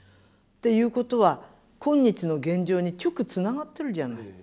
ということは今日の現状に直つながってるじゃない。